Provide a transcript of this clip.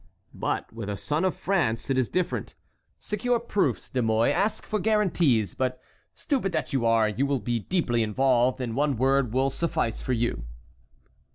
But with a son of France it is different. Secure proofs, De Mouy, ask for guarantees; but, stupid that you are, you will be deeply involved, and one word will suffice for you."